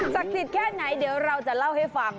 ศักดิ์สิทธิ์แค่ไหนเดี๋ยวเราจะเล่าให้ฟัง